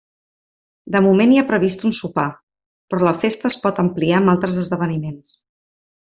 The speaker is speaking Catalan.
De moment hi ha previst un sopar, però la festa es pot ampliar amb altres esdeveniments.